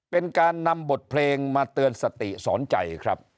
เป็นการนำบทเพลงมาเตือนสติสอนใจครับ